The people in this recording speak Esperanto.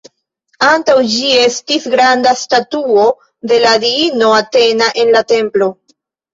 Antaŭ ĝi estis granda statuo de la diino Atena en la templo.